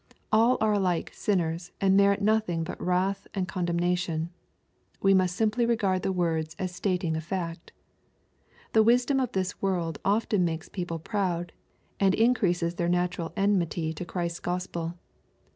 All are alike sinners, and merit nothing but wrath and condenmation. We must simply regard the words as stating a fact. The wisdom of this world often makes people proud, and increases their natural enmity to Christ's Gospel.